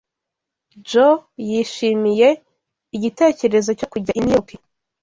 Joe yishimiye igitekerezo cyo kujya i New York